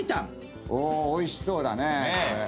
おおいしそうだね。